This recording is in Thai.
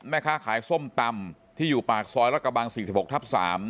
แม่ค้าขายส้มตำที่อยู่ปากซอยรักกระบัง๔๖ทับ๓